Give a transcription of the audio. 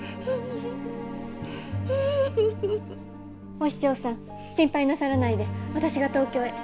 お師匠さん心配なさらないで私が東京へ。